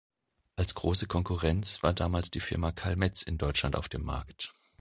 Als große Konkurrenz war damals die Firma Carl Metz in Deutschland auf dem Markt.